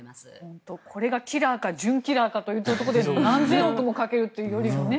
本当にこれがキラーか準キラーかというところに何千億もかけるというよりもね。